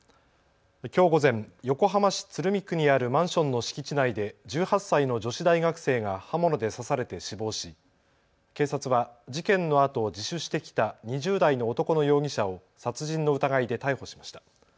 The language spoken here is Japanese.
きょう午前、横浜市鶴見区にあるマンションの敷地内で１８歳の女子大学生が刃物で刺されて死亡し警察は事件のあと自首してきた２０代の男の容疑者を殺人の疑いで逮捕しました。